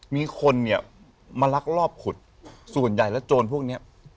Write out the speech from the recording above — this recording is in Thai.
มีคนเนี่ยมาลักลอบขุดส่วนใหญ่แล้วโจรพวกเนี้ย